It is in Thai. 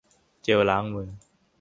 เจลล้างมือ